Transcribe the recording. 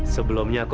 selamat ya pak